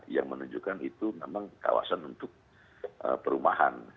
yang menunjukkan itu memang kawasan untuk perumahan